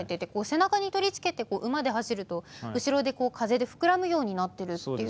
背中に取り付けて馬で走ると後ろで風で膨らむようになってるっていう。